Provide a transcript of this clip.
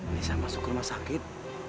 nisa masuk ke rumah sakit